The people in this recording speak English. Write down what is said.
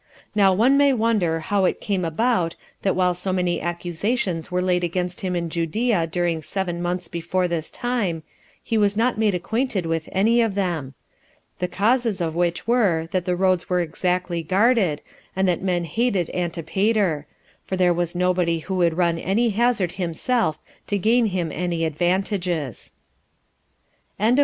Now one may wonder how it came about, that while so many accusations were laid against him in Judea during seven months before this time, he was not made acquainted with any of them. The causes of which were, that the roads were exactly guarded, and that men hated Antipater; for there was nobody who would run any hazard himself to gain him any advantages. CHAPTER 5.